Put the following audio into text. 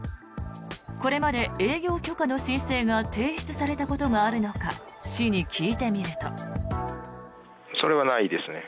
これまで営業許可の申請が提出されたことがあるのか市に聞いてみると。